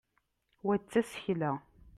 wa d tasekla